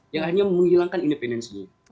yang akhirnya menghilangkan independensinya